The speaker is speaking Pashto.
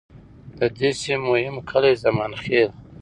د دې سیمې مهم کلي د زمان خیل،